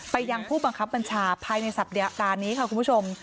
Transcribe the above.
ยังผู้บังคับบัญชาภายในสัปดาห์นี้ค่ะคุณผู้ชม